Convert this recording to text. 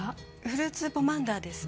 フルーツポマンダーです。